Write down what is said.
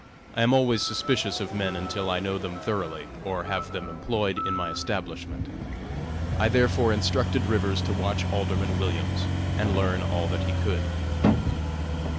I am always suspicious of men until I know them thoroughly, or have them employed in my establishment; I therefore instructed Rivers to watch Alderman Williams, and learn all that he could.